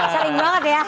sering banget ya